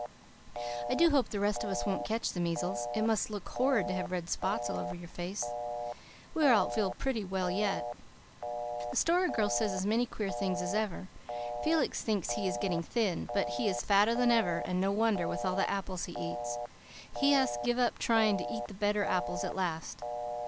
"I do hope the rest of us won't catch the measles. It must look horrid to have red spots all over your face. We all feel pretty well yet. The Story Girl says as many queer things as ever. Felix thinks he is getting thin, but he is fatter than ever, and no wonder, with all the apples he eats. He has give up trying to eat the bitter apples at last.